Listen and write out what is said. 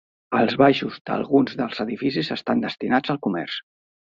Els baixos d'alguns dels edificis estan destinats al comerç.